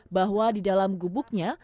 bahwa di dalam gubuknya